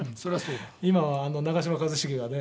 「今はあの長嶋一茂がね